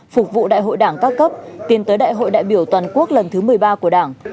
phục vụ đại hội đảng các cấp tiến tới đại hội đại biểu toàn quốc lần thứ một mươi ba của đảng